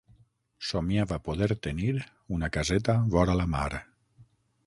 Somiava poder tenir una caseta vora la mar.